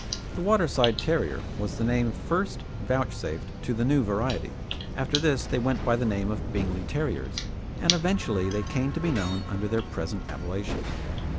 The Waterside Terrier was the name first vouchsafed to the new variety. After this they went by the name of Bingley Terriers, and eventually they came to be known under their present appellation.